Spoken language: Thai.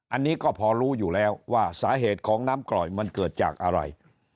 อันนี้ก็พอรู้อยู่แล้วว่าสาเหตุของน้ำกร่อยมันเกิดจากอะไร